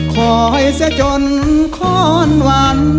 คอยซะจนข้อนวัน